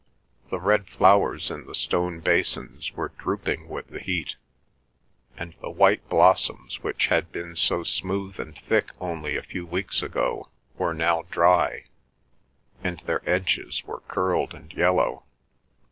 The red flowers in the stone basins were drooping with the heat, and the white blossoms which had been so smooth and thick only a few weeks ago were now dry, and their edges were curled and yellow.